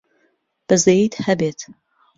بەزەییت هەبێت!